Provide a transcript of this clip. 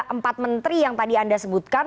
empat menteri yang tadi anda sebutkan